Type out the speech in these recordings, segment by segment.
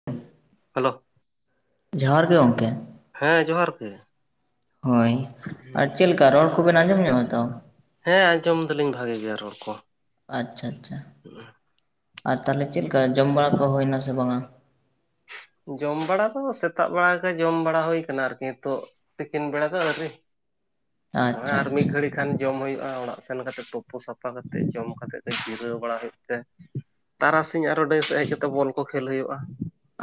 [inaudible] Hello ᱡᱚᱦᱟᱨ ᱜᱮ ᱜᱚᱢᱠᱮ ᱾ ᱦᱮᱸ ᱡᱚᱦᱟᱨ ᱜᱮ ᱾ ᱦᱳᱭ, ᱟᱨ ᱪᱮᱫ ᱞᱮᱠᱟ ᱨᱚᱲ ᱠᱚᱵᱮᱱ ᱟᱸᱡᱚᱢᱮᱜᱼᱟ ᱛᱚ? ᱦᱮᱸ ᱟᱸᱡᱚᱢ ᱫᱟᱞᱤᱧ ᱵᱷᱟᱜᱮ ᱜᱮᱭᱟ ᱨᱚᱲ ᱠᱚ ᱾ ᱟᱪᱪᱷᱟ ᱟᱪᱪᱷᱟ, ᱟᱨ ᱛᱟᱦᱚᱞᱮ ᱪᱮᱫ ᱠᱟ ᱡᱚᱢ ᱵᱟᱲᱟ ᱠᱚ ᱦᱩᱭᱱᱟ ᱥᱮ ᱵᱟᱝᱟ? ᱡᱚᱢ ᱵᱟᱲᱟ ᱫᱚ ᱥᱮᱛᱟᱜ ᱵᱮᱲᱟ ᱜᱮ ᱡᱚᱢ ᱵᱟᱲᱟ ᱦᱩᱭ ᱟᱠᱟᱱᱟ ᱟᱨᱠᱤ ᱱᱤᱛᱚᱜ, ᱛᱤᱠᱤᱱ ᱵᱮᱲᱟ ᱫᱚ ᱟᱹᱣᱨᱤ ᱾ ᱦᱚᱭ ᱟᱪᱪᱷᱟ ᱟᱨ ᱢᱤᱫ ᱟᱪᱪᱷᱟ ᱜᱷᱟᱹᱲᱤᱡ ᱾ ᱮᱱᱠᱷᱟᱱ ᱡᱚᱢ ᱦᱩᱭᱩᱜᱼᱟ ᱚᱲᱟᱜ ᱥᱮᱱ ᱠᱟᱛᱮ ᱛᱳᱯᱳ ᱥᱟᱯᱷᱟ ᱠᱟᱛᱮᱫ ᱡᱚᱢ ᱠᱟᱛᱮ ᱫᱚ ᱡᱤᱨᱟᱹᱣ ᱵᱟᱲᱟ ᱦᱩᱭᱩᱜ ᱛᱮ ᱾ ᱛᱟᱨᱟᱥᱤᱧ ᱟᱨᱚ ᱰᱟᱹᱦᱤ ᱥᱮᱫ ᱦᱮᱡ ᱠᱟᱛᱮᱫ ᱵᱚᱞ ᱠᱚ ᱠᱷᱮᱞ ᱦᱩᱭᱩᱜᱼᱟ ᱾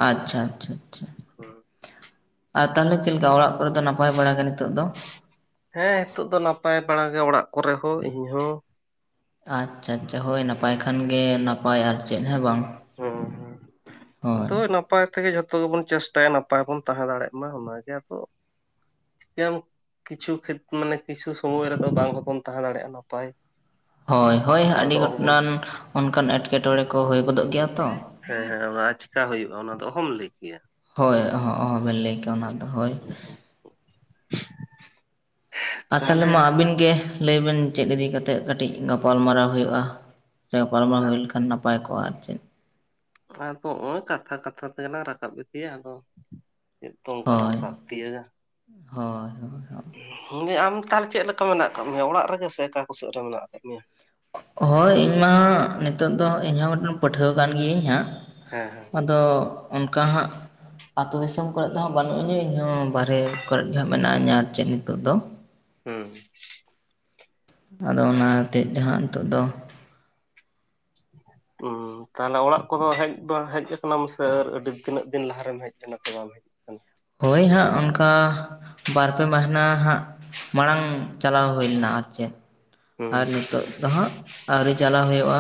ᱟᱪᱪᱷᱟ ᱟᱪᱪᱷᱟ ᱟᱪᱪᱷᱟ ᱾ ᱦᱩᱸ [unintelligible] ᱟᱨ ᱛᱟᱦᱚᱞᱮ ᱪᱮᱫᱞᱮᱠᱟ ᱚᱲᱟᱜ ᱠᱚᱨᱮ ᱫᱚ ᱱᱟᱯᱟᱭ ᱵᱟᱲᱟᱭ ᱜᱮ ᱱᱤᱛᱳᱜ ᱫᱚ? ᱦᱮᱸ ᱱᱤᱛᱚᱜ ᱫᱚ ᱱᱟᱯᱟᱭ ᱵᱟᱲᱟ ᱜᱮ ᱚᱲᱟᱜ ᱠᱚᱨᱮ ᱦᱚᱸ ᱤᱧ ᱦᱚᱸ ᱾ ᱟᱪᱪᱷᱟ ᱟᱪᱪᱷᱟ, ᱦᱳᱭ ᱱᱟᱯᱟᱭ ᱠᱷᱟᱱ ᱜᱮ ᱱᱟᱯᱟᱭ ᱟᱨ ᱪᱮᱫ ᱦᱚᱸ ᱵᱟᱝ ᱾ ᱦᱚᱸ ᱦᱚ, ᱸ ᱛᱚ [unintelligible] ᱱᱟᱯᱟᱭ ᱛᱮᱜᱮ ᱡᱷᱚᱛᱚ ᱜᱮᱵᱚᱱ ᱪᱮᱥᱴᱟᱭᱟ ᱱᱟᱯᱟᱭ ᱵᱚᱱ ᱛᱟᱦᱮᱸ ᱫᱟᱲᱮᱭᱟᱜ ᱢᱟ ᱚᱱᱟᱜᱮ ᱟᱫᱚ, ᱪᱟᱢ [unintelligible] ᱠᱤᱪᱷᱩ ᱠᱷᱮᱛ, ᱢᱟᱱᱮ ᱠᱤᱪᱷᱩ ᱥᱚᱢᱚᱭ ᱨᱮᱫᱚ ᱵᱟᱝ ᱦᱚᱸᱵᱚᱱ ᱛᱟᱦᱮᱸ ᱫᱟᱲᱮᱭᱟᱜᱼᱟ ᱱᱟᱯᱟᱭ ᱾ ᱦᱳᱭ ᱦᱳᱭ ᱟᱹᱰᱤ ᱜᱚᱴᱟᱱᱟᱱ ᱚᱱᱠᱟᱱ ᱮᱴᱠᱮᱴᱚᱬᱮ ᱠᱚ ᱦᱩᱭ ᱜᱚᱫᱚᱜ ᱜᱮᱭᱟ ᱛᱚ ᱾ ᱦᱮᱸ ᱦᱮᱸ ᱚᱱᱟ ᱪᱤᱠᱟ ᱦᱩᱭᱩᱜᱼᱟ, ᱚᱱᱟ ᱫᱚ ᱚᱦᱚᱢ ᱞᱟᱹᱭ ᱠᱮᱭᱟ ᱾ ᱦᱳᱭ ᱚᱦᱚ ᱚᱦᱚ ᱵᱮᱱ ᱞᱟᱹᱭ ᱠᱮᱭᱟ ᱚᱱᱟ ᱫᱚ ᱦᱳᱭ ᱾ ᱟᱨ ᱛᱟᱦᱚᱞᱮ ᱢᱟ ᱟᱹᱵᱤᱱ ᱜᱮ ᱞᱟᱹᱭ ᱵᱤᱱ ᱪᱮᱫ ᱤᱫᱤ ᱠᱟᱛᱮᱜ ᱠᱟᱹᱴᱤᱡ ᱜᱟᱯᱟᱞ ᱢᱟᱨᱟᱣ ᱦᱩᱭᱩᱜᱼᱟ? ᱦᱮ ᱯᱟᱨᱚᱢᱚᱨ ᱦᱩᱭ ᱟᱫᱚ ᱞᱮᱠᱷᱟᱱ ᱱᱟᱯᱟᱭ ᱠᱚᱜᱼᱟ ᱟᱨ ᱪᱮᱫ ᱾ ᱟᱫᱚ ᱱᱚᱜᱼᱚᱭ ᱠᱟᱛᱷᱟ ᱠᱟᱛᱷᱟ ᱛᱮᱜᱮᱞᱟᱝ ᱨᱟᱠᱟᱵ ᱤᱫᱤᱭᱟ ᱟᱫᱚ ᱾ ᱪᱮᱫ ᱛᱚ ᱚᱱᱠᱟ ᱞᱟᱝ ᱦᱳᱭ ᱥᱟᱵ ᱛᱤᱭᱳᱜᱟ? ᱦᱳᱭ ᱦᱳᱭ ᱦ ᱦᱮᱸ ᱟᱢ ᱛᱟᱦᱚᱞᱮ ᱪᱮᱫ ᱞᱮᱠᱟ ᱢᱮᱱᱟᱜ ᱟᱠᱟᱫ ᱢᱮᱭᱟ ᱚᱲᱟᱜ ᱨᱮᱜᱮ ᱥᱮ ᱚᱠᱟ ᱠᱚ ᱥᱮᱫ ᱨᱮ ᱢᱮᱱᱟᱜ ᱟᱠᱟᱫ ᱢᱮᱭᱟ? ᱦᱳᱭ ᱤᱧ ᱢᱟ ᱱᱤᱛᱚᱜ ᱫᱚ ᱤᱧᱦᱚᱸ ᱢᱤᱫᱴᱮᱱ ᱯᱟᱹᱴᱷᱩᱣᱟᱹ ᱠᱟᱱ ᱜᱤᱭᱟᱹᱧ ᱦᱟᱸᱜ᱾ ᱦᱮᱸ ᱦᱮᱸ ᱟᱫᱚ ᱚᱱᱠᱟ ᱦᱟᱸᱜ ᱟᱛᱩ ᱫᱤᱥᱚᱢ ᱠᱚᱨᱮᱮᱫ ᱫᱚ ᱦᱟᱸᱜ ᱵᱟᱹᱱᱩᱜ ᱟᱹᱧᱟᱹ ᱤᱧᱦᱚᱸ ᱵᱟᱨᱦᱮ ᱠᱚᱨᱮ ᱜᱮ ᱦᱟᱸᱜ ᱢᱮᱱᱟᱧᱟᱹ ᱟᱨ ᱪᱮᱫ ᱱᱤᱛᱚᱜ ᱫᱚ᱾ [unintelligible] ᱟᱫᱚ ᱚᱱᱟᱛᱮᱮᱫ ᱫᱚ ᱱᱤᱛᱳ ᱫᱚ [inaudible] ᱛᱟᱦᱚᱞᱮ ᱚᱲᱟᱜ ᱠᱚᱫᱚ ᱦᱮᱡ ᱦᱮᱡ ᱟᱠᱟᱱᱟᱢ ᱥᱮ ᱟᱹᱰᱤ ᱛᱤᱱᱟᱹᱜ ᱫᱤᱱ ᱞᱟᱦᱟᱨᱮᱢ ᱦᱮᱡ ᱞᱮᱱᱟ ᱥᱮ ᱵᱟᱢ ᱦᱮᱡ ᱟᱠᱟᱱᱟ? ᱦᱳᱭ ᱦᱟᱸᱜ ᱚᱱᱠᱟ ᱵᱟᱨᱯᱮ ᱢᱟᱦᱱᱟᱹ ᱦᱟᱸᱜ ᱢᱟᱲᱟᱝ ᱪᱟᱞᱟᱣ ᱦᱩᱭ ᱞᱮᱱᱟ ᱟᱨ ᱪᱮᱫ᱾ ᱦᱩᱸ ᱟᱨ ᱱᱤᱛᱳ ᱫᱚ ᱦᱟᱸᱜ ᱟᱹᱣᱨᱤ ᱪᱟᱞᱟᱣ ᱦᱩᱭᱩᱜᱼᱟ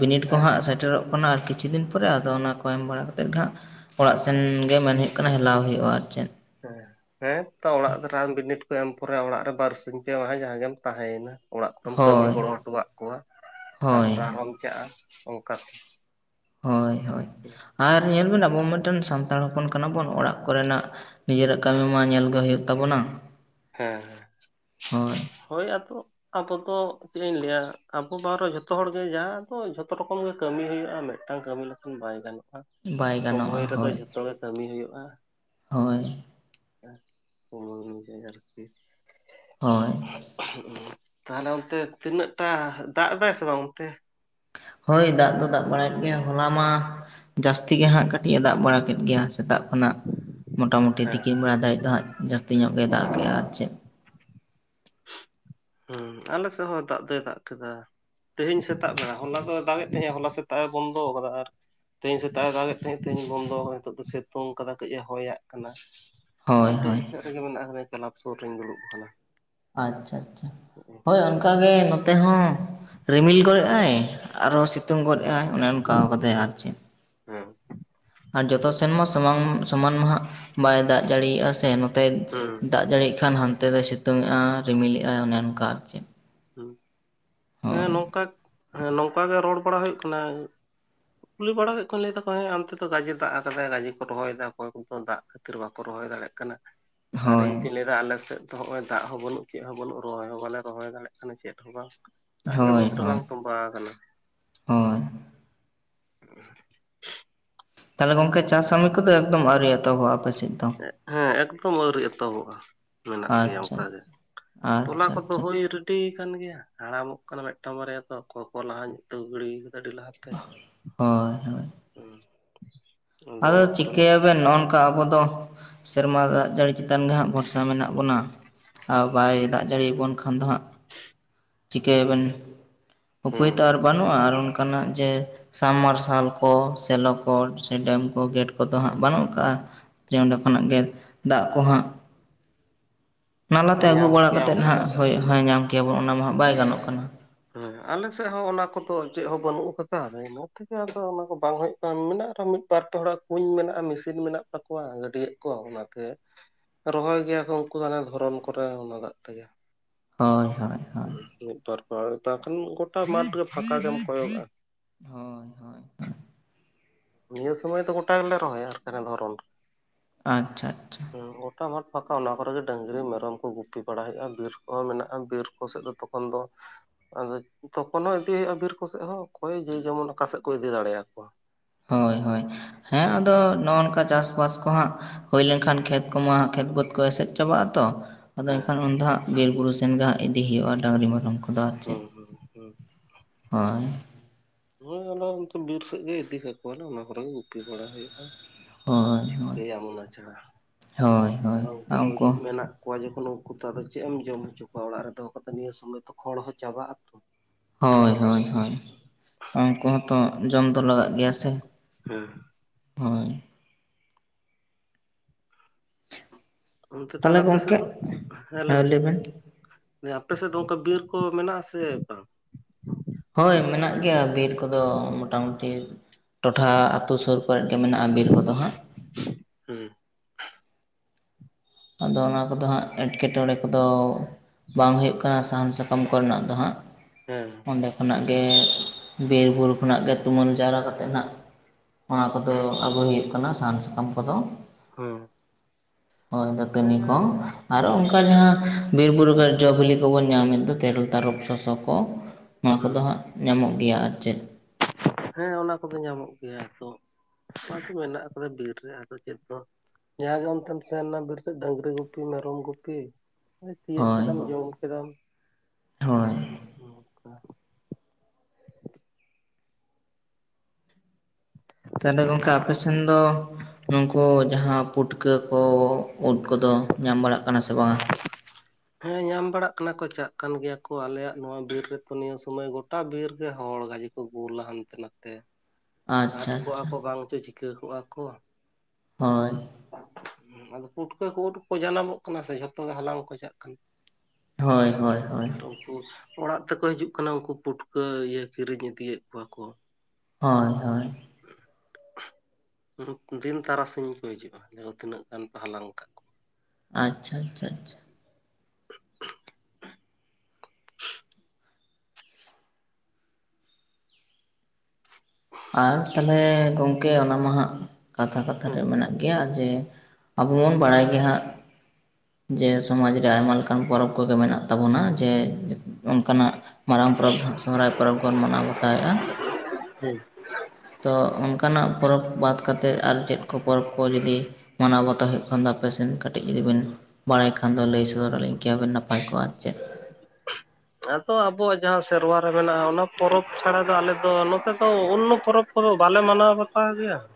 ᱵᱤᱱᱤᱰ ᱠᱚ ᱦᱮᱸ ᱦᱟᱸᱜ ᱥᱮᱴᱮᱨᱚᱜ ᱠᱟᱱᱟ ᱟᱨ ᱠᱤᱪᱷᱩ ᱫᱤᱱ ᱯᱚᱨᱮ ᱟᱫᱚ ᱚᱱᱟ ᱠᱚ ᱮᱢ ᱵᱟᱲᱟ ᱠᱟᱛᱮᱫ ᱦᱦᱟᱸᱜ ᱚᱲᱟᱜ ᱥᱮᱱ ᱜᱮ ᱢᱮᱱ ᱦᱩᱭᱩᱜ ᱠᱟᱱᱟ ᱦᱮᱞᱟᱣ ᱦᱩᱭᱩᱜᱼᱟ ᱟᱨ ᱪᱮᱫ᱾ ᱦᱮᱸ, ᱦᱮᱸ ᱛᱚ ᱚᱲᱟᱜ ᱨᱟᱱ ᱵᱤᱱᱤᱰ ᱠᱚ ᱮᱢ ᱯᱚᱨᱮ ᱚᱲᱟᱜ ᱨᱮ ᱵᱟᱨᱥᱤᱧ ᱯᱮ ᱡᱟᱦᱟᱸ ᱜᱮᱢ ᱛᱟᱦᱮᱸᱭᱮᱱᱟ᱾ ᱚᱲᱟᱜ ᱠᱚᱨᱮᱢ ᱠᱟᱹᱢᱤ ᱦᱳᱭ ᱜᱚᱲᱚ ᱦᱚᱴᱚᱣᱟᱫ ᱠᱚᱣᱟ ᱦᱳᱭ ᱛᱟᱯᱚᱨᱮ ᱟᱨᱦᱚᱢ ᱪᱟᱞᱼᱟ ᱚᱱᱠᱟ᱾ ᱦᱳᱭ ᱦᱳᱭ ᱟᱨ ᱧᱮᱞᱵᱱ ᱟᱵᱚ ᱢᱤᱫᱴᱮᱱ ᱥᱟᱱᱛᱟᱲ ᱦᱚᱯᱚᱱ ᱠᱟᱱᱟ ᱵᱚᱱ ᱚᱲᱟᱜ ᱠᱚᱨᱮᱱᱟᱜ ᱱᱤᱡᱮᱨᱟᱜ ᱠᱟᱹᱢᱤ ᱢᱟ ᱧᱮᱞ ᱜᱮ ᱦᱩᱭᱩᱜ ᱛᱟᱵᱚᱱᱟ᱾ ᱦᱮᱸ ᱦᱮᱸ ᱦᱳᱭ ᱦᱳᱭ ᱟᱫᱚ ᱟᱵᱚ ᱫᱚ ᱪᱮᱫ ᱤᱧ ᱞᱟᱹᱭᱟ, ᱟᱵᱚ ᱵᱟᱨᱮᱦᱚ ᱡᱷᱚᱛᱚ ᱦᱚᱲᱜᱮ ᱡᱟᱦᱟᱸ ᱫᱚ ᱡᱷᱚᱛᱚ ᱨᱚᱠᱚᱢ ᱜᱮ ᱠᱟᱹᱢᱤ ᱦᱩᱭᱩᱜ-ᱟ, ᱢᱤᱫᱴᱟᱝ ᱢᱤᱫᱴᱟᱝ ᱠᱟᱹᱢᱤ ᱞᱮᱠᱷᱟᱱ ᱵᱟᱭ ᱜᱟᱱᱚᱜ-ᱟ᱾ ᱵᱟᱭ ᱜᱟᱱᱚᱜᱼᱟ ᱥᱚᱢᱚᱭ ᱨᱮᱫᱚ ᱦᱳᱭ ᱡᱷᱚᱛᱚ ᱜᱮ ᱠᱟᱹᱢᱤ ᱦᱩᱭᱩᱜ-ᱟ᱾ ᱦᱳᱭ [unintelligible] ᱦᱳᱭ ᱛᱟᱦᱚᱞᱮ ᱚᱱᱛᱮ ᱛᱤᱱᱟᱹᱜ ᱴᱟ ᱫᱟᱜ ᱮᱫᱟᱭ ᱥᱮ ᱵᱟᱝ ᱚᱱᱛᱮ? ᱦᱳᱭ ᱫᱟᱜ ᱫᱚ ᱫᱟᱜ ᱵᱟᱲᱟᱭᱮᱫ ᱜᱮᱭᱟᱭ ᱦᱚᱞᱟ ᱢᱟ ᱡᱟᱹᱥᱛᱤ ᱡᱟᱹᱥᱛᱤ ᱜᱮ ᱦᱟᱸᱜ ᱠᱟᱹᱴᱤᱡ ᱮ ᱫᱟᱜ ᱵᱟᱲᱟ ᱠᱮᱫ ᱜᱮᱭᱟ ᱥᱮᱛᱟᱜ ᱠᱷᱚᱱᱟᱜ ᱢᱚᱴᱟᱢᱩᱴᱤ ᱦᱮᱸ ᱛᱤᱠᱤᱱ ᱵᱮᱲᱟ ᱫᱷᱟᱨᱤᱪ ᱫᱚ ᱦᱟᱸᱜ ᱡᱟᱹᱥᱛᱤ ᱧᱚᱜ ᱜᱮ ᱫᱟᱜ ᱠᱮᱟᱭ ᱟᱨ ᱪᱮᱫ᱾ ᱦᱩᱸ, ᱟᱞᱮᱥᱮᱫ ᱦᱚᱸ ᱫᱟᱜ ᱫᱚᱭ ᱫᱟᱜ ᱠᱮᱫᱟ᱾ ᱛᱮᱦᱮᱧ ᱥᱮᱛᱟᱜ ᱵᱮᱲᱟ ᱦᱚᱞᱟ ᱫᱚ ᱫᱟᱜ ᱮᱫ ᱛᱟᱦᱮᱡ ᱦᱚᱞᱟ ᱥᱮᱛᱟᱜ ᱮ ᱵᱚᱱᱫᱚ ᱟᱠᱟᱫᱟ, ᱟᱨ ᱛᱮᱦᱮᱧ ᱥᱮᱛᱟᱜ ᱫᱟᱜᱮᱫ ᱛᱟᱦᱮᱸᱫ ᱛᱮᱦᱮᱧ ᱵᱚᱱᱫᱚ ᱱᱤᱛᱚᱜ ᱫᱚ ᱥᱤᱛᱩᱝ ᱠᱟᱫᱟᱭ ᱠᱟᱹᱡ ᱮ ᱦᱚᱭᱭᱟᱜ ᱠᱟᱱᱟ᱾ ᱦᱳᱭ ᱦᱮᱸ ᱦᱳᱭ ᱰᱟᱹᱦᱤ ᱥᱮᱫ ᱨᱮᱜᱮ ᱢᱮᱱᱟᱜ-ᱟ ᱠᱟᱫᱤᱧ, ᱠᱮᱞᱟᱵ ᱥᱩᱨ ᱨᱮᱤᱧ ᱫᱩᱲᱩᱵ ᱟᱠᱟᱱᱟ᱾ ᱟᱪᱪᱷᱟ ᱟᱪᱪᱷᱟ [unintelligible] ᱦᱳᱭ ᱚᱱᱠᱟᱜᱮ ᱱᱚᱛᱮ ᱦᱚᱸ ᱨᱤᱢᱤᱞ ᱜᱚᱫ ᱮᱫᱟᱭ, ᱟᱨᱚ ᱥᱤᱛᱩᱝ ᱜᱚᱫᱮᱫᱼᱟᱭ ᱚᱱᱮ ᱚᱱᱠᱟᱣ ᱠᱟᱫᱟᱭ, ᱟᱨ ᱪᱮᱫ ᱦᱩᱸ ᱟᱨ ᱡᱚᱛᱚ ᱥᱮᱱᱢᱟ ᱥᱚᱢᱟᱱ ᱥᱚᱢᱟᱱ ᱢᱟ ᱦᱟᱜ ᱵᱟᱭ ᱫᱟᱜ ᱡᱟᱲᱤᱭᱟᱜ-ᱟ ᱥᱮ᱾ ᱱᱛᱮ ᱦᱩᱸ ᱫᱟᱜ ᱡᱟᱹᱲᱤᱜ ᱠᱷᱟᱱ ᱦᱟᱱᱛᱮ ᱫᱚᱭ ᱥᱤᱛᱩᱝᱜ-ᱟ ᱨᱤᱢᱤᱞᱮᱟᱭ ᱚᱱᱮ ᱚᱱᱠᱟ ᱟᱨ ᱪᱮᱫ᱾ ᱦᱮᱸ ᱦᱳᱭ ᱱᱚᱝᱠᱟ ᱜᱮᱸ ᱱᱚᱝᱠᱟ ᱜᱮ ᱨᱚᱲ ᱵᱟᱲᱟ ᱦᱩᱭᱩᱜ ᱠᱟᱱᱟ᱾ ᱠᱩᱞᱤ ᱵᱟᱲᱟ ᱦᱩᱭᱩᱜ ᱠᱟᱱᱟ ᱞᱟᱹᱭ ᱫᱟᱠᱚ ᱦᱮᱸ ᱚᱱᱛᱮᱫᱚ ᱜᱟᱡᱮ ᱫᱟᱜ ᱟᱠᱟᱫᱟᱭ ᱜᱟᱡᱮ ᱠᱚ ᱨᱚᱦᱚᱭᱮᱫᱟ ᱚᱠᱚᱭᱠᱚ ᱫᱟᱜ ᱠᱷᱟᱹᱛᱤᱨ ᱵᱟᱠᱚ ᱨᱚᱦᱚᱭ ᱫᱟᱲᱮᱭᱟᱜ ᱠᱟᱱᱟ᱾ ᱟᱨ ᱦᱳᱭ ᱤᱧ ᱪᱮᱤᱧ ᱞᱟᱹᱭ ᱮᱫᱟ ᱟᱞᱮ ᱥᱮᱫ ᱫᱚ ᱱᱚᱚᱭ ᱫᱟᱜ ᱦᱚᱸ ᱵᱟᱹᱱᱩᱜ ᱪᱮᱫ ᱦᱚᱸ ᱵᱟᱹᱱᱩᱜ ᱨᱚᱦᱚᱭ ᱦᱚᱸ ᱵᱟᱞᱮ ᱨᱚᱦᱚᱭ ᱫᱟᱲᱮᱭᱟᱜ ᱪᱮᱫ ᱦᱚᱸ ᱵᱟᱝ ᱫᱟᱜ ᱜᱮ ᱦᱳᱭ ᱵᱟᱹᱫ ᱨᱮ ᱦᱳᱭ ᱵᱟᱝ ᱛᱚᱸᱵᱟ ᱟᱠᱟᱱᱟ᱾ ᱦᱳᱭ [unintelligible] ᱛᱟᱦᱚᱞᱮ ᱜᱚᱢᱠᱮ ᱪᱟᱥ ᱠᱟᱹᱢᱤ ᱠᱚᱫᱚ ᱮᱠᱫᱚᱢ ᱟᱹᱣᱨᱤ ᱮᱛᱚᱦᱚᱵ-ᱟ ᱟᱯᱮᱥᱮᱫ ᱫᱚ᱾ ᱦᱮᱸ ᱮᱠᱫᱚᱢ ᱟᱹᱣᱨᱤ ᱮᱛᱚᱦᱚᱵᱚᱜ-ᱟ ᱢᱮᱱᱟᱜ ᱜᱮᱭᱟ ᱟᱪᱪᱷᱟ ᱚᱱᱠᱟ ᱜᱮ ᱛᱚᱞᱟ ᱟᱪᱪᱷᱟ ᱠᱚᱫᱚ ᱟᱪᱪᱷᱟ ᱦᱩᱭ [unintelligible] ᱠᱟᱱ ᱜᱮᱭᱟ ᱦᱟᱲᱟᱢᱚᱜ ᱠᱟᱱᱟ ᱢᱤᱫᱴᱟᱝ ᱵᱟᱨᱭᱟ ᱫᱚ ᱚᱠᱚᱭ ᱠᱚ ᱞᱟᱦᱟ ᱧᱚ ᱜᱤᱰᱤ ᱠᱟᱫᱟ ᱟᱹᱰᱤ ᱞᱟᱦᱟᱛᱮ, ᱦᱳᱭ ᱦᱳᱭ ᱦᱩᱸ ᱟᱫᱚ ᱚᱱᱟ ᱠᱚᱨᱮᱱ ᱪᱤᱠᱟᱭᱟᱹ ᱛᱵᱮᱱ ᱱᱚᱜ ᱱᱚᱝᱠᱟ ᱟᱵᱚ ᱫᱚ ᱥᱮᱨᱢᱟ ᱫᱟᱜ ᱡᱟᱹᱲᱤ ᱪᱮᱛᱟᱱ ᱜᱮ ᱦᱟᱸᱜ ᱵᱚᱨᱥᱟ ᱢᱮᱱᱟᱜ ᱵᱚᱱᱟ ᱾ ᱟᱨ ᱵᱟᱭ ᱫᱟᱜ ᱡᱟᱹᱲᱤᱭᱟᱵᱚᱱ ᱠᱷᱟᱱ ᱫᱚ ᱦᱟᱸᱜ [inaudible] ᱪᱤᱠᱟᱹᱭᱟᱹᱵᱤᱱ ᱩᱯᱟᱹᱭ ᱦᱩᱸ ᱛᱚ ᱟᱨ ᱵᱟᱹᱱᱩᱜ-ᱟ ᱟᱨ ᱚᱱᱠᱟᱱᱟᱜ ᱡᱮ ᱥᱟᱢ ᱢᱟᱨᱥᱟᱞ ᱠᱚ, ᱥᱮᱞᱚ ᱠᱚ, ᱥᱮ ᱰᱮᱢ ᱠᱚ, ᱜᱮᱴ ᱠᱚᱫᱚ ᱦᱟᱸᱜ ᱵᱟᱹᱱᱩᱜ ᱠᱟᱜ-ᱟ ᱡᱮ ᱚᱸᱰᱮ ᱠᱷᱚᱱᱟᱜ ᱜᱮ ᱫᱟᱜ ᱠᱚ ᱦᱟᱸᱜ ᱱᱟᱞᱟᱛᱮ ᱟᱹᱜᱩ ᱧᱟᱢ ᱵᱟᱲᱟ ᱠᱟᱛᱮᱫ ᱠᱮᱭᱟᱵᱚᱱ ᱱᱟᱜ ᱦᱳᱭ, ᱦᱳᱭ ᱧᱟᱢ ᱠᱮᱭᱟ ᱵᱚᱱ ᱚᱱᱟ ᱢᱟ ᱦᱟᱸᱜ ᱵᱟᱭ ᱜᱟᱱᱚᱜ ᱠᱟᱱᱟ ᱾ ᱦᱮᱸ ᱟᱞᱮᱥᱮᱫ ᱦᱚᱸ ᱚᱱᱟ ᱠᱚᱫᱚ ᱪᱮᱫ ᱦᱚᱸ ᱵᱟᱹᱱᱩᱜ ᱠᱟᱫᱟ ᱤᱱᱟᱹ ᱛᱮᱜᱮ ᱟᱫᱚ ᱚᱱᱟ ᱠᱚ ᱵᱟᱝ ᱦᱩᱭᱩᱜ ᱢᱮᱱᱟᱜ ᱨᱮᱦᱚᱸ ᱢᱤᱫ ᱵᱟᱨ ᱯᱮ ᱦᱚᱲᱟᱜ ᱠᱩᱧ ᱢᱮᱱᱟᱜ-ᱟ, ᱢᱤᱥᱤᱱ ᱢᱮᱱᱟᱜ ᱛᱟᱠᱚᱣᱟ ᱜᱟᱹᱰᱤᱭᱟ ᱠᱚ ᱚᱱᱟᱛᱮ ᱨᱚᱦᱚᱭ ᱜᱮᱭᱟ ᱠᱚ ᱩᱱᱠᱩ ᱫᱚ ᱦᱟᱱᱮ ᱫᱷᱚᱨᱚᱱ ᱠᱚᱨᱮ ᱚᱱᱟ ᱫᱟᱜ ᱛᱮᱜᱮ ᱾ ᱦᱳᱭ ᱦᱳᱭ ᱦᱳᱭ ᱢᱤᱫ ᱵᱟᱨ ᱯᱮ ᱦᱟᱲ ᱵᱟᱠᱷᱟᱱ ᱜᱚᱴᱟ ᱢᱟᱴᱷ ᱜᱮ ᱯᱷᱟᱸᱠᱟ ᱜᱮᱢ ᱠᱚᱭᱚᱜᱟ ᱾ ᱦᱳᱭ ᱦᱳᱭ ᱱᱤᱭᱟᱹ ᱥᱚᱢᱚᱭ ᱫᱚ ᱜᱚᱴᱟ ᱜᱮᱞᱮ ᱨᱚᱦᱚᱭᱟ ᱟᱨᱠᱷᱟᱱᱮ ᱫᱷᱚᱨᱚᱱ ᱟᱪᱪᱷᱟ ᱟᱪᱪᱷᱟ ᱦᱢ ᱜᱚᱴᱟ ᱢᱟᱴᱷ ᱯᱷᱟᱠᱟ ᱚᱱᱟ ᱠᱚᱨᱮᱜ ᱜᱮ ᱰᱟᱹᱝᱨᱤ ᱢᱮᱨᱚᱢ ᱠᱚ ᱜᱩᱯᱤ ᱵᱟᱲᱟᱭ ᱦᱩᱭᱩᱜ-ᱟ ᱵᱤᱨ ᱠᱚᱦᱚᱸ ᱢᱮᱱᱟᱜ-ᱟ ᱵᱤᱨ ᱠᱚ ᱥᱮᱫ ᱫᱚ ᱛ ᱩᱱ ᱫᱚ ᱟᱫᱚ ᱛᱚᱠᱷᱚᱱ ᱦᱚᱸ ᱤᱫᱤ ᱦᱩᱭᱩᱜ-ᱟ ᱵᱤᱨ ᱠᱚᱥᱮᱫ ᱦᱚᱸ, ᱚᱠᱚᱭ ᱡᱮ ᱡᱮᱢᱚᱱ ᱚᱠᱟᱥᱮᱫ ᱠᱚ ᱤᱫᱤ ᱫᱟᱲᱮᱭᱟᱠᱚᱣᱟ ᱾ ᱦᱳᱭ ᱦᱳᱭ ᱦᱮᱸ ᱟᱫᱚ ᱱᱚᱜᱼᱱᱚᱝᱠᱟ ᱪᱟᱥᱵᱟᱥ ᱠᱚ ᱦᱟᱸᱜ ᱦᱩᱭ ᱞᱮᱱᱠᱷᱟᱱ ᱠᱷᱮᱛ ᱠᱚᱢᱟ ᱠᱷᱮᱛ ᱵᱟᱹᱫᱽ ᱠᱚ ᱮᱥᱮᱫ ᱪᱟᱵᱟᱜᱼᱟ ᱛᱚ ᱟᱫᱚ ᱮᱱᱠᱷᱟᱱ ᱩᱱ ᱫᱚ ᱦᱟᱸᱜ ᱵᱤᱨᱼᱵᱩᱨᱩ ᱥᱮᱱ ᱜᱮ ᱦᱟᱸᱜ ᱤᱫᱤ ᱦᱩᱭᱩᱜᱼᱟ ᱰᱟᱝᱨᱤ ᱢᱮᱨᱚᱢ ᱠᱚᱫᱚ ᱟᱨ ᱦᱩᱸ ᱪᱮᱫ ᱦᱩᱸ ᱦᱩᱸ ᱦᱳᱭ ᱦᱚᱭ ᱚᱱᱟ ᱚᱱᱛᱮ ᱵᱤᱨ ᱥᱮᱫ ᱜᱮ ᱤᱫᱤ ᱠᱟᱠᱚᱣᱟᱞᱮ ᱚᱱᱟ ᱠᱚᱨᱮ ᱜᱮ ᱜᱩᱯᱤ ᱵᱟᱲᱟ ᱦᱩᱭᱩᱜᱼᱟ ᱾ ᱦᱳᱭ ᱦᱳᱭ ᱪᱤᱠᱟᱹᱭᱟᱢ ᱚᱱᱟ ᱪᱷᱟᱲᱟ, ᱦᱳᱭ ᱦᱳᱭ ᱟᱨᱦᱚ ᱩᱱᱠᱩ ᱦᱚᱸ ᱢᱮᱱᱟᱜ ᱠᱚᱣᱟ ᱡᱚᱠᱷᱚᱱ ᱩᱱᱠᱩ ᱛᱚ ᱟᱫᱚ ᱪᱮᱫ ᱮᱢ ᱡᱚᱢ ᱦᱚᱪᱚ ᱠᱚᱣᱟ ᱚᱲᱟᱜ ᱨᱮ ᱫᱚᱦᱚ ᱠᱟᱛᱮ ᱱᱤᱭᱟᱹ ᱥᱚᱢᱚᱭ ᱛᱚ ᱠᱷᱚᱲ ᱦᱚᱸ ᱪᱟᱵᱟᱜ ᱟᱛᱚ ᱾ ᱦᱳᱭ ᱦᱳᱭ ᱦᱳᱭ ᱩᱱᱠᱩ ᱦᱚᱸᱛᱚ ᱡᱚᱢ ᱫᱚ ᱞᱟᱜᱟᱜ ᱜᱮᱭᱟ ᱥᱮ ᱦᱮᱸ ᱦᱚᱭ ᱚᱱᱛᱮ ᱛᱟᱦᱚᱞᱮ ᱟᱯᱮ ᱥᱮᱫ ᱫᱚ, ᱦᱮᱸ ᱞᱟᱹᱞ ᱢᱮ, ᱞᱟᱹᱭ ᱵᱮᱱ ᱫᱮ ᱟᱯᱮ ᱥᱮᱫ ᱫᱚ ᱚᱱᱠᱟ ᱵᱤᱨ ᱠᱚ ᱢᱮᱱᱟᱜᱼᱟ ᱥᱮ ᱵᱟᱝ? ᱦᱳᱭ ᱢᱮᱱᱟᱜ ᱜᱮᱭᱟ ᱵᱤᱨ ᱠᱚᱫᱚ ᱢᱚᱴᱟᱢᱩᱴᱤ, ᱴᱚᱴᱷᱟ ᱟᱛᱩ ᱥᱩᱨ ᱠᱚᱨᱮᱫ ᱜᱮ ᱢᱮᱱᱟᱜᱼᱟ ᱵᱤᱨ ᱠᱚᱫᱚ ᱦᱟᱸᱜ, ᱦᱩᱸ ᱟᱫᱚ ᱚᱱᱟ ᱠᱚᱫᱚ ᱦᱟᱸᱜ ᱮᱴᱠᱮᱴᱚᱬᱮ ᱠᱚᱫᱚ ᱵᱟᱝ ᱦᱩᱭᱩᱜ ᱠᱟᱱᱟ ᱥᱟᱦᱟᱱ, ᱥᱟᱠᱟᱢ ᱠᱚᱨᱮᱱᱟᱜ ᱫᱚ ᱦᱟᱸᱜ, ᱦᱮᱸ ᱚᱸᱰᱮ ᱠᱷᱚᱱᱟᱜ ᱜᱮ ᱵᱤᱨ-ᱵᱩᱨᱩ ᱠᱷᱚᱱᱟᱜ ᱜᱮ ᱛᱩᱢᱟᱹᱞ ᱡᱟᱣᱨᱟ ᱠᱟᱛᱮ ᱱᱟᱜ ᱚᱱᱟ ᱠᱚᱫᱚ ᱟᱹᱜᱩᱭ ᱦᱩᱭᱩᱜ ᱠᱟᱱᱟ ᱥᱟᱦᱟᱱ, ᱥᱟᱠᱟᱢ ᱠᱚᱫᱚ, ᱦᱚᱸ ᱦᱚᱭ ᱫᱟᱹᱛᱟᱹᱱᱤ ᱠᱚ ᱟᱨ ᱦᱩᱸ ᱚᱱᱠᱟ ᱡᱟᱦᱟᱸ ᱵᱤᱨ-ᱵᱩᱨᱩ ᱨᱮ ᱡᱚᱼᱵᱤᱞᱤ ᱠᱚᱵᱚᱱ ᱧᱟᱢᱮᱫ ᱫᱚ ᱛᱮᱨᱮᱞ, ᱛᱟᱨᱚᱯ, ᱥᱚᱥᱚ ᱠᱚ ᱚᱱᱟ ᱦᱩᱸ ᱠᱚᱫᱚ ᱦᱟᱸᱜ ᱧᱟᱢᱚᱜ ᱜᱮᱭᱟ ᱟᱨ ᱪᱮᱫ ᱾ ᱦᱮᱸ ᱚᱱᱟ ᱠᱚᱫᱚ ᱧᱟᱢᱚᱜ ᱜᱮᱭᱟ ᱛᱚ [unintelligible] ᱢᱮᱱᱟᱜᱼᱟ ᱛᱚᱵᱮ ᱵᱤᱨ ᱨᱮ ᱟᱫᱚ ᱪᱮᱫ ᱫᱚ ᱡᱟᱦᱟᱸ ᱜᱮ ᱚᱱᱛᱮᱢ ᱥᱮᱱ ᱮᱱᱟ ᱵᱤᱨ ᱥᱮᱫ ᱰᱟᱸᱝᱨᱤ ᱜᱩᱯᱤ, ᱢᱮᱨᱚᱢ ᱜᱩᱯᱤ ᱛᱤᱭᱟᱹᱜ ᱦᱳᱭ ᱠᱮᱫᱟᱢ ᱡᱚᱢ ᱠᱮᱫᱟᱢ ᱦᱳᱭ ᱱᱚᱜ-ᱱᱚᱝᱠᱟ ᱾ ᱛᱟᱦᱚᱞᱮ ᱜᱚᱢᱠᱮ ᱟᱯᱮ ᱥᱮᱱ ᱫᱚ ᱱᱩᱝᱠᱩ ᱡᱟᱦᱟᱸ ᱯᱩᱴᱠᱟᱹ ᱠᱚ ᱩᱫ ᱠᱚᱫᱚ ᱧᱟᱢ ᱵᱟᱲᱟᱜ ᱠᱟᱱᱟ ᱥᱮ ᱵᱟᱝ-ᱟ? [inaudible] ᱦᱮᱸ ᱧᱟᱢ ᱵᱟᱲᱟᱜ ᱠᱟᱱᱟ ᱠᱚ, ᱪᱟᱜ ᱠᱟᱱ ᱜᱮᱭᱟ ᱠᱚ ᱟᱞᱮᱭᱟᱜ ᱱᱚᱣᱟ ᱵᱤᱨ ᱨᱮᱛᱚ ᱱᱤᱭᱟᱹ ᱥᱩᱢᱚᱭ ᱜᱚᱴᱟ ᱵᱤᱨ ᱨᱮ ᱦᱚᱲ ᱜᱟᱡᱮ ᱠᱚ ᱜᱩᱞᱟ ᱦᱟᱱᱛᱮ ᱱᱟᱛᱮ ᱦᱟᱴ ᱟᱪᱪᱷᱟ ᱠᱚᱜᱼᱟ ᱟᱪᱪᱷᱟ ᱠᱚ ᱵᱟᱝᱪᱚ ᱪᱤᱠᱟᱹ ᱠᱚᱜᱼᱟ ᱠᱚ, ᱦᱳᱭ [unintelligible] ᱟᱫᱚ ᱯᱩᱴᱠᱟᱹ ᱠᱚ ᱩᱫ ᱠᱚ ᱡᱟᱱᱟᱢᱚᱜ ᱠᱟᱱᱟ ᱥᱮ ᱡᱷᱚᱛᱚ ᱜᱮ ᱦᱟᱞᱟᱝ ᱠᱚ ᱪᱟᱜ ᱠᱟᱱᱟ ᱾ ᱦᱳᱭ ᱦᱳᱭ ᱦᱳᱭ ᱾ ᱚᱲᱟᱜ ᱛᱮᱠᱚ ᱦᱤᱡᱩᱜ ᱠᱟᱱᱟ ᱩᱱᱠᱩ ᱯᱩᱴᱠᱟᱹ ᱤᱭᱟᱹ ᱠᱤᱨᱤᱧ ᱤᱫᱤᱭᱮᱫ ᱠᱚᱣᱟ ᱠᱚ ᱾ ᱦᱳᱭ ᱦᱳᱭ ᱾ [unintelligible] ᱫᱤᱱ ᱛᱟᱨᱟᱥᱤᱧ ᱠᱚ ᱦᱤᱡᱩᱜᱼᱟ ᱞᱟᱹᱭᱟ ᱠᱚ ᱛᱤᱱᱟᱹᱜ ᱜᱟᱱ ᱯᱮ ᱦᱟᱞᱟᱝ ᱠᱟᱜᱼᱼ ᱟᱪᱪᱷᱟ ᱟᱪᱪᱷᱟ ᱟᱪᱪᱷᱟ ᱾ [unintelligible] ᱟᱨ ᱛᱟᱞᱦᱮ ᱜᱚᱝᱠᱮ ᱚᱱᱟ ᱢᱟ‌ ᱦᱟᱸᱜ ᱠᱟᱛᱷᱟ ᱠᱟᱛᱷᱟ ᱛᱮ ᱦᱮᱸ ᱢᱮᱱᱟᱜ ᱜᱮᱭᱟ ᱾ ᱡᱮ, ᱟᱵᱚ ᱵᱚᱱ ᱵᱟᱲᱟᱭ ᱜᱮ ᱦᱟᱸᱜᱼᱼ ᱡᱮ ᱥᱚᱢᱟᱡᱽ ᱨᱮ ᱟᱭᱢᱟ ᱞᱮᱠᱟᱱ ᱯᱚᱨᱚᱵᱽ ᱠᱚᱜᱮ ᱢᱮᱱᱟᱜ ᱛᱟᱵᱚᱱᱟ ᱡᱮ, ᱚᱱᱠᱟᱱᱟᱜᱼᱼ ᱢᱟᱨᱟᱝ ᱯᱚᱨᱚᱵᱽ, ᱥᱚᱦᱚᱨᱟᱭ ᱯᱚᱨᱚᱵᱽ ᱵᱚᱱ ᱢᱟᱱᱟᱣ ᱵᱟᱛᱟᱣᱮᱜᱼᱟ ᱾ [unintelligible] ᱦᱩᱸ ᱛᱚ ᱚᱱᱠᱟᱱᱟᱜ ᱯᱚᱨᱚᱵᱽ ᱵᱟᱫᱽ ᱠᱟᱛᱮᱫ ᱟᱨ ᱪᱮᱫ ᱠᱚ ᱯᱚᱨᱚᱵᱽ ᱠᱚ ᱡᱩᱫᱤᱼᱼ ᱢᱟᱱᱟᱣ ᱵᱟᱛᱟᱣ ᱦᱩᱭᱩᱜ ᱠᱷᱟᱱ ᱫᱚ ᱟᱯᱮᱥᱮᱱ ᱠᱟᱹᱴᱤᱡ ᱡᱩᱫᱤ ᱵᱮᱱ ᱵᱟᱲᱟᱭ ᱠᱷᱟᱱ ᱫᱚ ᱞᱟᱹᱭ ᱥᱚᱫᱚᱨ ᱟᱹᱞᱤᱧᱼᱼ ᱠᱮᱭᱟᱵᱮᱱ ᱱᱟᱯᱟᱭ ᱠᱚᱜ-ᱟ ᱟᱨ ᱪᱮᱫ ᱾ ᱟᱫᱚ ᱟᱵᱚᱣᱟᱜ ᱡᱟᱦᱟᱸ ᱥᱮᱨᱣᱟ ᱨᱮ ᱢᱮᱱᱟᱜᱼᱟ ᱚᱱᱟ ᱯᱚᱨᱚᱵᱽ ᱪᱷᱟᱲᱟ ᱫᱚ ᱟᱞᱮ ᱫᱚ ᱱᱚᱛᱮ ᱫᱚ ᱚᱱᱱᱚ ᱯᱚᱨᱚᱵᱽᱼᱼ ᱠᱚᱫᱚ ᱵᱟᱞᱮ ᱢᱟᱱᱟᱣ ᱵᱟᱛᱟᱣ ᱜᱮᱭᱟ ᱾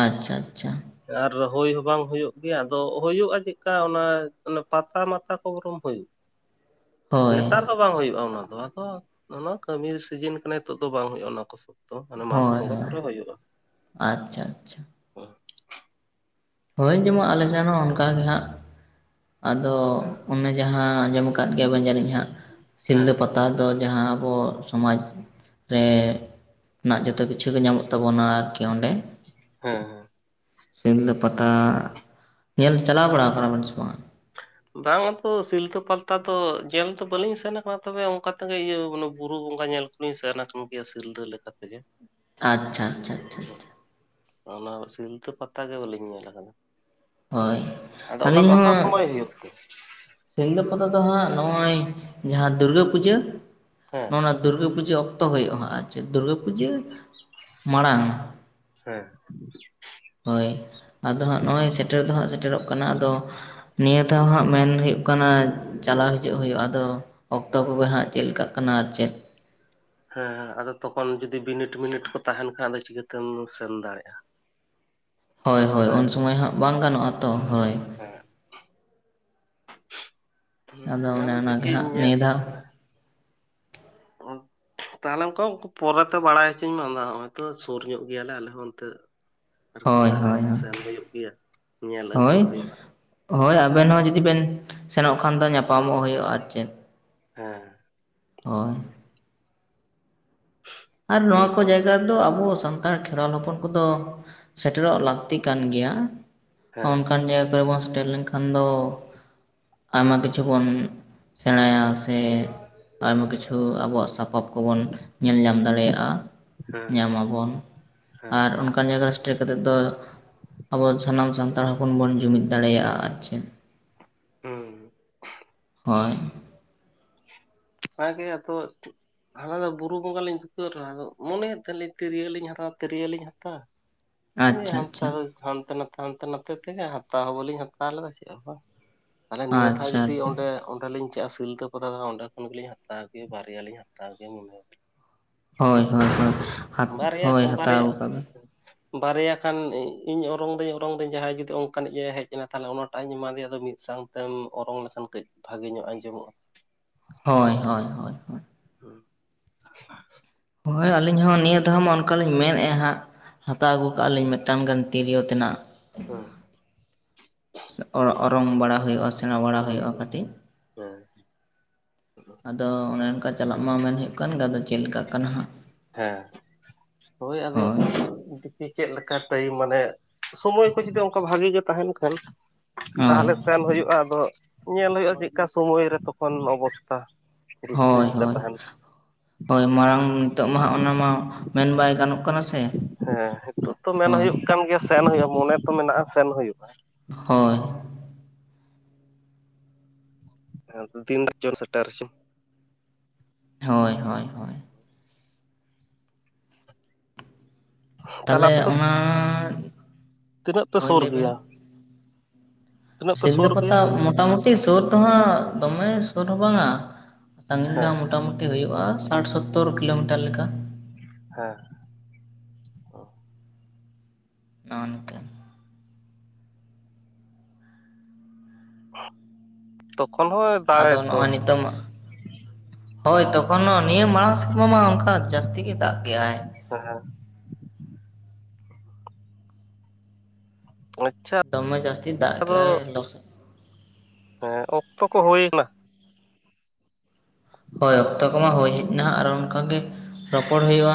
ᱟᱪᱪᱷᱟ ᱟᱪᱪᱷᱟ ᱾ ᱟᱨ ᱦᱩᱭ ᱦᱚᱸ ᱵᱟᱝ ᱦᱩᱭᱩᱜ ᱜᱮᱭᱟ ᱟᱫᱚ ᱦᱩᱭᱩᱜᱼᱟ ᱪᱮᱫᱠᱟ ᱚᱱᱟ ᱯᱟᱛᱟ ᱢᱟᱛᱟ ᱠᱚ ᱜᱚᱨᱚᱢ ᱦᱳᱭᱼᱼ ᱦ ᱱᱮᱛᱟᱨ ᱦᱚᱸ ᱵᱟᱝ ᱦᱩᱭᱩᱜᱼᱟ ᱚᱱᱟ ᱫᱚ, ᱟᱫᱚ ᱚᱱᱟ ᱠᱟᱹᱢᱤ ᱥᱤᱡᱤᱱ ᱠᱟᱱᱟ ᱱᱤᱛᱚᱜ ᱫᱚ ᱵᱟᱝ ᱦᱩᱭᱩᱜᱼᱟ ᱚᱱᱟ ᱠᱚ ᱥᱚᱵᱽ ᱾ ᱛᱚ ᱢᱟᱱᱮ ᱢᱟᱜᱽ ᱦᱳᱭ ᱵᱚᱸᱜᱟ ᱦᱳᱭ ᱠᱚᱨᱮ ᱦᱩᱭᱩᱜᱼᱟ ᱾ ᱟᱪᱪᱷᱟ ᱟᱪᱪᱷᱟ [unintelligible] ᱦᱳᱭ ᱡᱮᱢᱚᱜ ᱟᱞᱮ ᱥᱮᱱ ᱦᱚᱸ ᱚᱱᱠᱟᱜᱮ ᱦᱟᱸᱜ, ᱟᱫᱚ ᱚᱱᱮ ᱡᱟᱦᱟᱸ ᱟᱡᱚᱢ ᱠᱟᱼᱼ ‌ᱟᱠᱟᱛ ᱜᱮᱭᱟᱵᱮᱱ ᱡᱟᱹᱱᱤᱧ ᱦᱟᱸᱜ, ᱦᱮᱸ ᱥᱤᱞᱫᱟᱹ ᱯᱟᱛᱼᱼ ᱱᱮᱛᱟᱨ ᱫᱚ ᱡᱟᱦᱟᱸ ᱟᱵᱚ ᱥᱚᱢᱟᱡᱽ ᱨᱮ ᱨᱮᱱᱟᱜ ᱡᱚᱛᱚ ᱠᱤᱪᱷᱩ ᱜᱮ ᱧᱟᱢᱚᱜ- ᱛᱟᱵᱚᱱᱟ ᱟᱨᱠᱤ ᱚᱸᱰᱮ, ᱦᱮᱸ ᱦᱮᱸ ᱥᱤᱞᱫᱟᱹ- ᱯᱟᱛᱟ, ᱧᱮᱞ ᱪᱟᱞᱟᱣ ᱵᱟᱲᱟ ᱠᱟᱱᱟᱵᱮᱱ ᱥᱮ ᱵᱟᱝ? ᱵᱟᱝ ᱟᱛᱚ ᱥᱤᱞᱫᱟᱹ ᱯᱟᱞᱛᱟ ᱫᱚ ᱧᱮᱞ ᱫᱚ ᱵᱟᱹᱞᱤᱧ ᱥᱮᱱ ᱟᱠᱟᱱᱟ, ᱛᱚᱵᱮ ᱚᱱᱠᱟ ᱛᱮᱜᱮ ᱤᱭᱟᱹ ᱢᱟᱱᱮ ᱵᱩᱨᱩ ᱵᱚᱸᱜᱟ ᱧᱮᱞᱼᱼ ᱩᱱᱤ ᱥᱟᱨᱱᱟ ᱠᱚᱢᱠᱮᱭᱟᱜ [unintelligible] ᱥᱤᱞᱫᱟᱹ ᱞᱮᱠᱟᱛᱮᱜᱮ ᱾ ᱟᱪᱪᱷᱟ ᱟᱪᱪᱷᱟ ᱟᱪᱪᱷᱟ ᱟᱪᱪᱷᱟ ᱾ ᱚᱱᱟ ᱥᱤᱞᱛᱟᱹ ᱯᱟᱛᱟ ᱜᱮ ᱵᱟᱹᱞᱤᱧ ᱧᱮᱞ ᱟᱠᱟᱫᱟ ᱾ ᱦᱳᱭ ᱟᱫᱚ ᱚᱱᱟ ᱫᱚ ᱟᱹᱞᱤᱧ ᱟᱠᱟ ᱦᱚᱸ ᱥᱚᱢᱚᱭ ᱦᱩᱭᱩᱜ ᱛᱮ? ᱥᱤᱞᱫᱟᱹ ᱯᱟᱛᱟ ᱫᱚ ᱦᱟᱸᱜ ᱱᱚᱜᱼᱚᱭ, ᱡᱟᱦᱟᱸ ᱫᱩᱨᱜᱟᱹ ᱯᱩᱡᱟᱹ, ᱦᱮᱸ ᱱᱚ-ᱱᱚᱣᱟᱼᱼ ᱫᱩᱨᱜᱟᱹ ᱯᱩᱡᱟᱹ ᱚᱠᱛᱚ ᱦᱩᱭᱩᱜᱼᱟ, ᱦᱟᱸᱜ ᱟᱨᱼᱼ ᱫᱩᱨᱜᱟᱹ ᱯᱩᱡᱟᱹ, ᱢᱟᱬᱟᱝ ᱦᱮᱸ ᱾ ᱦᱳᱭ, ᱟᱫᱚ ᱦᱟᱸᱜ ᱱᱚᱜᱼᱚᱭ ᱥᱮᱴᱮᱨ ᱫᱚ ᱦᱟᱸᱜ ᱥᱮᱴᱮᱨᱚᱜ ᱠᱟᱱᱟ ᱟᱫᱚ, ᱱᱤᱭᱟᱹ ᱫᱷᱟᱣ ᱦᱟᱸᱜ ᱢᱮᱱ ᱦᱩᱭᱩᱜᱼᱼ ᱠᱟᱱᱟ, ᱪᱟᱞᱟᱣ ᱦᱤᱡᱩᱜ ᱦᱩᱭᱩᱜᱼᱟ ᱟᱫᱚ ᱚᱠᱛᱚ ᱠᱚᱜᱮ ᱦᱟᱸᱜ ᱪᱮᱫ ᱞᱮᱠᱟᱜ ᱠᱟᱱᱟ, ᱟᱨ ᱪᱮᱫᱼᱼ ᱦᱮᱸ ᱦᱮᱸ ᱟᱫᱚ ᱛᱚᱠᱷᱚᱱ ᱡᱩᱫᱤ ᱵᱤᱱᱤᱴ ᱢᱤᱱᱤᱴ ᱠᱚ ᱛᱟᱸᱦᱮᱱ ᱠᱷᱟᱱ ᱟᱫᱚ ᱪᱤᱠᱟᱹᱛᱮᱢ ᱥᱮᱱ ᱫᱟᱲᱮᱭᱟᱜᱼᱟ ᱾ ᱦᱳᱭ ᱦᱳᱭ ᱩᱱ ᱥᱚᱢᱚᱭ ᱦᱟᱸᱜ ᱵᱟᱝ ᱜᱟᱱᱚᱜᱼᱟ ᱛᱚ, ᱦᱳᱭᱼᱼ ᱦᱮᱸ ᱦᱚᱸ ᱥᱚᱸ [unintelligible] ᱚᱱᱮ ᱟᱫᱚ ᱚᱱᱟᱜᱮ ᱫᱮᱠᱷᱤ ᱦᱟᱸᱜ ᱤᱧᱟᱹᱜᱼᱼ ᱱᱤᱭᱟᱹ ᱫᱷᱟᱣ ᱛᱟᱦᱚᱞᱮ ᱚᱱᱠᱟ ᱯᱚᱨᱮᱛᱮ ᱵᱟᱲᱟᱭ ᱦᱚᱪᱚᱧ ᱢᱮ ᱚᱱᱟ, ᱱᱚᱜ-ᱚᱭ ᱛᱚ ᱥᱩᱨ ᱧᱚᱜ ᱜᱮᱭᱟᱞᱮ ᱟᱞᱮ ᱦᱚᱸ ᱚᱱᱛᱮ ᱾ ᱟᱨᱠᱤ ᱦᱳᱭ ᱛᱟᱦᱚᱞᱮ ᱦᱳᱭ ᱥᱮᱱ ᱦᱩᱭᱩᱜ ᱜᱮᱭᱟ, ᱧᱮᱞ ᱦᱳᱭ ᱟᱹᱜᱩᱣᱟᱜ ᱦᱩᱭᱩᱜᱼᱟ ᱾ ᱦᱳᱭ ᱟᱵᱮᱱ ᱦᱚᱸ ᱡᱩᱫᱤ ᱵᱮᱱ ᱥᱮᱱᱚᱜ ᱠᱷᱟᱱ ᱫᱚ ᱧᱟᱯᱟᱢᱚᱜ ᱦᱩᱭᱩᱜᱼᱟ, ᱟᱨ ᱪᱮᱫ ᱾ ᱦᱮᱸ ᱾ ᱦᱚᱭ ᱾ ᱟᱨ ᱱᱚᱣᱟ ᱱᱤᱭᱟᱹ ᱠᱚ ᱠᱚᱧ ᱡᱟᱭᱜᱟᱼᱼ ᱟᱫᱚ ᱟᱵᱚ ᱥᱟᱱᱛᱟᱲ ᱠᱷᱮᱨᱣᱟᱞ ᱦᱚᱯᱚᱱ ᱠᱚᱫᱚ ᱥᱮᱴᱮᱨᱚᱜ ᱞᱟᱹᱠᱛᱤ ᱠᱟᱱ ᱜᱮᱭᱟ ᱾ ᱦᱮᱸ ᱚᱱᱠᱟᱱ ᱡᱟᱭᱜᱟᱨᱮ ᱵᱟᱝ ᱥᱮᱴᱮᱨ ᱞᱮᱱᱠᱷᱟᱱ ᱫᱚ ᱟᱭᱢᱟ ᱠᱤᱪᱷᱩ ᱵᱚᱱᱼᱼ ᱥᱮᱬᱟᱭᱟ ᱥᱮ, ᱟᱭᱢᱟ ᱠᱤᱪᱷᱩ ᱟᱵᱚᱣᱟᱜ ᱥᱟᱯᱟᱵ ᱠᱚᱵᱚᱱ ᱧᱮᱞ ᱧᱟᱢ ᱫᱟᱲᱮᱭᱟᱜᱼᱟ᱾ ᱦᱮᱸ ᱧᱟᱢ ᱟᱵᱚᱱ ᱦᱮᱸ ᱟᱨ ᱦᱮᱸ ᱚᱱᱠᱟᱱ ᱡᱟᱭᱟᱨ ᱨᱮ ᱴᱮᱨ ᱠᱟᱛᱮᱫ ᱫᱚ, ᱟᱵᱚ ᱥᱟᱱᱟᱢ ᱥᱟᱱᱛᱟᱲ ᱦᱚᱯᱚᱱ ᱵᱚᱱ ᱡᱩᱢᱤᱫ ᱫᱟᱲᱮᱭᱟᱜᱼᱟ ᱟᱨ ᱪᱮᱫ? [unintelligible] ᱦᱳᱭ ᱦᱟ ᱜᱮ ᱟᱛᱚ ᱦᱟᱱᱟ ᱫᱷᱟ ᱵᱩᱨᱩ-ᱵᱚᱸᱜᱟ ᱞᱤᱧ ᱫᱩᱠᱟᱹ ᱨᱮ ᱟᱫᱚ ᱢᱚᱱᱮᱭᱮᱫ ᱛᱟᱞᱤᱧ ᱛᱤᱨᱭᱟᱹᱞᱤᱧ ᱦᱟᱛᱟᱣᱟ ᱛᱤᱨᱭᱳᱞᱤᱧ ᱦᱟᱛᱟᱣᱟ᱾ ᱦᱮᱸ ᱟᱪᱪᱷᱟ ᱦᱟᱱᱛᱮ ᱟᱪᱪᱷᱟ ᱫᱚ ᱦᱟᱱᱛᱮ ᱱᱟᱛᱮ ᱦᱟᱱᱛᱮ ᱱᱟᱛᱮ ᱛᱮᱜᱮ ᱦᱟᱛᱟᱣ ᱦᱚᱸ ᱵᱟᱹᱞᱤᱧ ᱦᱟᱛᱟᱣ ᱞᱮᱫᱟ ᱪᱮᱜ ᱦᱚᱸ ᱵᱟᱝ᱾ ᱛᱟᱦᱞᱮ ᱱᱤᱭᱟᱹ ᱫᱷᱟᱣ ᱟᱪᱪᱷᱟ ᱡᱩᱫᱤ ᱟᱪᱪᱷᱟ ᱚᱸᱰᱮ-ᱚᱸᱰᱮᱞᱤᱧ ᱪᱟᱜᱼᱟ ᱥᱤᱞᱫᱟᱹ ᱯᱟᱛᱟ ᱫᱷᱟ ᱚᱸᱰᱮ ᱠᱷᱳᱱ ᱜᱮᱞᱤᱧ ᱦᱟᱛᱟᱣ ᱜᱮ ᱵᱟᱨᱭᱟᱞᱤᱧ ᱦᱟᱛᱟᱣ ᱜᱮ ᱢᱚᱱᱮ ᱦᱳᱭ ᱦᱳᱭ ᱚᱱᱟ ᱦᱳᱭ ᱜᱮᱛᱚ, ᱦᱟᱛ ᱵᱟᱨᱭᱟ ᱦᱳᱭ ᱠᱚᱢ ᱵᱟᱨᱭᱟ ᱦᱟᱛᱟᱣ ᱠᱟᱜ ᱵᱮᱱ ᱵᱟᱨᱭᱟ ᱠᱷᱟᱱ ᱤᱧ ᱚᱨᱚᱝ ᱫᱟᱹᱧ ᱚᱨᱚᱝ ᱫᱟᱹᱧ ᱡᱟᱦᱟᱸᱭ ᱡᱩᱫᱤ ᱚᱱᱠᱟᱱᱤᱡ ᱮ ᱦᱮᱡ ᱞᱮᱠᱷᱟᱱ ᱚᱱᱟᱴᱟᱜ ᱤᱧ ᱮᱢᱟᱫᱮᱭᱟ ᱟᱫᱚ ᱢᱤᱫ ᱥᱟᱝ ᱛᱮᱢ ᱚᱨᱚᱝ ᱞᱮᱠᱷᱟᱱ ᱠᱟᱹᱡ ᱵᱷᱟᱜᱮ ᱧᱚᱜ ᱟᱸᱡᱚᱢᱚᱜᱼᱟ᱾ ᱦᱳᱭ ᱦᱳᱭ ᱦᱳᱭ ᱦᱳᱭ᱾ ᱦᱩᱸ [unintelligible] ᱦᱳᱭ ᱟᱹᱞᱤᱧ ᱦᱚᱸ ᱱᱤᱭᱟᱹ ᱫᱷᱟᱣ ᱢᱟ ᱚᱱᱠᱟ ᱞᱤᱧ ᱢᱮᱱᱮᱫᱼᱟ ᱦᱟᱸᱜ᱾ ᱦᱟᱛᱟᱣ ᱟᱹᱜᱩ ᱠᱟᱜᱼᱟ ᱞᱤᱧ ᱢᱤᱫᱴᱟᱝ ᱜᱟᱱ ᱛᱤᱨᱭᱳ ᱛᱮᱱᱟᱜ᱾ ᱦᱮᱸ᱾ ᱚ-ᱚᱨᱚᱝ ᱵᱟᱲᱟ ᱦᱩᱭᱩᱜᱼᱟ ᱥᱮᱬᱟ ᱵᱟᱲᱟ ᱦᱳᱭ ᱦᱩᱭᱩᱜᱼᱟ ᱦᱳᱭ ᱠᱟᱹᱴᱤᱡ᱾ ᱦᱮᱸ ᱟᱫᱚ ᱚᱱᱮ ᱚᱱᱠᱟ ᱪᱟᱞᱟᱜ ᱢᱟ ᱢᱮᱱ ᱦᱳᱭᱳᱜ ᱠᱟᱱ ᱜᱮ, ᱟᱫᱚ ᱪᱮᱫ ᱞᱮᱠᱟ ᱠᱟᱱᱟ ᱦᱟᱸᱜ᱾ ᱦᱮᱸ᱾ ᱦᱳᱭ ᱟᱫᱚ ᱫᱤᱠᱷᱤ ᱪᱮᱜ ᱞᱮᱠᱟ ᱴᱟᱭᱤᱢ ᱢᱟᱱᱮ, ᱥᱳᱢᱳᱭ ᱠᱚ ᱡᱩᱫᱤ ᱚᱝᱠᱟ ᱵᱷᱟᱜᱮ ᱜᱮ ᱛᱟᱦᱮᱱ ᱠᱷᱟᱱ᱾ ᱦᱳᱭ ᱛᱟᱦᱚᱞᱮ ᱥᱮᱱ ᱦᱳᱭᱳᱜᱼᱟ ᱟᱫᱚ, ᱧᱮᱞ ᱦᱳᱭᱳᱜᱼᱟ ᱪᱮᱜ ᱠᱟ ᱥᱳᱢᱳᱭ ᱨᱮ ᱛᱚᱠᱷᱚᱱ ᱚᱵᱚᱥᱛᱟ᱾ ᱦᱳᱭ ᱯᱚᱨᱤᱥᱛᱷᱤᱛᱤ ᱪᱮᱫᱠᱟ ᱦᱳᱭ, ᱛᱟᱦᱮᱱ ᱦᱳᱭ ᱢᱟᱨᱟᱝ ᱱᱤᱛᱚᱜ ᱢᱟ ᱚᱱᱟ ᱢᱟ, ᱢᱮᱱ ᱵᱟᱭ ᱜᱟᱱᱚᱜ ᱠᱟᱱᱟ ᱥᱮ᱾ ᱦᱮᱸ ᱦᱤᱛᱳᱜ ᱛᱚ ᱢᱮᱱ ᱦᱳᱭ ᱦᱳᱭᱳᱜ ᱠᱟᱱ ᱜᱮᱭᱟ ᱥᱮᱱ ᱦᱳᱭᱳᱜᱼᱟ, ᱢᱚᱱᱮ ᱛᱚ ᱢᱮᱱᱟᱜᱼᱟ ᱥᱮᱱ ᱦᱳᱭᱳᱜᱼᱟ᱾ ᱦᱳᱭ᱾ ᱛᱤᱱ ᱨᱮ ᱪᱚ ᱥᱮᱴᱮᱨ ᱪᱚ ᱦᱳᱭ ᱦᱳᱭ ᱦᱳᱭ᱾ ᱛᱟᱦᱚᱞᱮ ᱟᱯᱮ ᱫᱚ, ᱛᱤᱱᱟᱹᱜ ᱯᱮ ᱦᱳᱭ ᱥᱩᱨ ᱞᱟᱹᱭ ᱵᱮᱱ ᱜᱤᱭᱟ? ᱥᱤᱞᱫᱟᱹ ᱜᱮᱭᱟ ᱯᱟᱛᱟ ᱢᱚᱴᱟᱢᱩᱴᱤ ᱥᱳᱨ ᱫᱚ ᱦᱟᱸᱜ ᱫᱚᱢᱮ ᱥᱳᱨ ᱦᱚᱸ ᱵᱟᱝᱟ᱾ ᱥᱟᱺᱜᱤᱧ ᱫᱚ ᱦᱮᱸ ᱢᱚᱴᱟᱢᱩᱴᱤ ᱦᱳᱭᱳᱜᱼᱟ ᱥᱟᱴ-ᱥᱳᱛᱳᱨ ᱠᱤᱞᱳᱢᱤᱴᱟᱨ ᱞᱮᱠᱟ᱾ ᱦᱮᱸ ᱚᱱᱛᱮ᱾ ᱛᱚᱠᱷᱚᱱ ᱦᱚᱸ ᱫᱟᱲᱮ ᱟᱫᱚ ᱛᱚ ᱱᱚᱜᱼᱚᱭ ᱱᱤᱛᱚᱝ ᱦᱳᱭ ᱛᱚᱠᱷᱚᱱ ᱦᱚ ᱱᱤᱭᱟᱹ ᱢᱟᱲᱟᱝ ᱥᱮᱨᱢᱟ ᱢᱟ ᱚᱝᱠᱟ ᱡᱟᱹᱥᱛᱤ ᱜᱮ ᱫᱟᱜ ᱜᱮ ᱟᱭ᱾ ᱦᱮᱸ ᱦᱮᱸ᱾ [unintelligible] ᱫᱚᱢᱮ ᱡᱟᱹᱥᱛᱤ ᱫᱟᱜ ᱜᱮ ᱟᱫᱚ ᱟᱭ ᱞᱚᱥᱚᱫ ᱦᱮᱸ ᱚᱠᱛᱚ ᱠᱚ ᱦᱳᱭᱱᱟ᱾ [inaudible] ᱦᱳᱭ ᱚᱠᱛᱚ ᱠᱚᱢᱟ ᱦᱳᱭ ᱦᱮᱜ ᱱᱟᱦᱟᱜ ᱟᱨᱚ ᱚᱝᱠᱟᱜ ᱜᱮ ᱨᱚᱯᱚᱲ ᱦᱳᱭᱳᱜᱼᱟ᱾